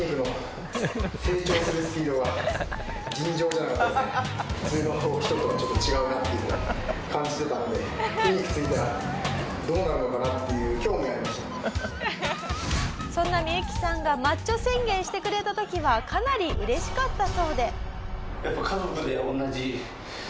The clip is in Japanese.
やっぱもう「そんなミユキさんがマッチョ宣言してくれた時はかなり嬉しかったそうで」